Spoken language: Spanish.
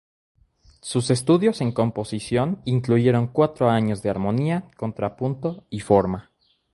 Sus estudios en composición incluyeron cuatro años de armonía, contrapunto y forma.